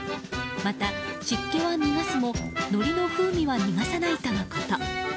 また湿気は逃がすものりの風味は逃がさないとのこと。